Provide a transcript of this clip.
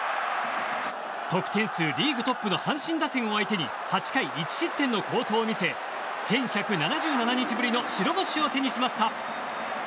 得点数リーグトップの阪神打線を相手に８回１失点の好投を見せ１１７７日ぶりの白星を手にしました。